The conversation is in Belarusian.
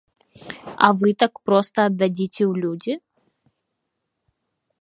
А вы так проста аддадзіце ў людзі?